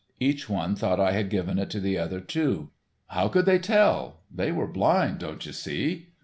Each one thought I had given it to the other two. How could they tell, they were blind, don't you see."